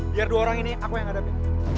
biar dua orang ini aku yang hadapin